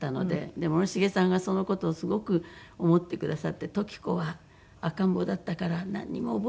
で森繁さんがその事をすごく思ってくださって「登紀子は赤ん坊だったからなんにも覚えていないだろう」。